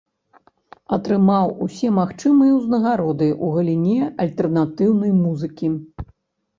Атрымаў усе магчымыя ўзнагароды ў галіне альтэрнатыўнай музыкі.